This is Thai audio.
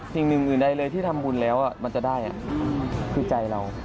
สิ่งอื่นใดเลยที่ทำบุญแล้วมันจะได้คือใจเรา